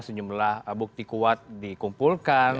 sejumlah bukti kuat dikumpulkan